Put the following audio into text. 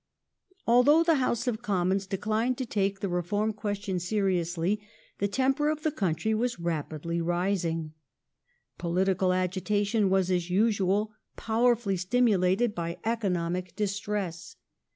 Agitation Although the House of Commons declined to take the Reform m the question seriously, the temper of the country was rapidly rising. Political agitation was, as usual, powerfully stimulated by economic distress.